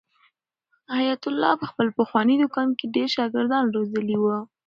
حیات الله په خپل پخواني دوکان کې ډېر شاګردان روزلي وو.